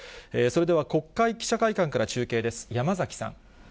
それでは国会記者会館から中継です。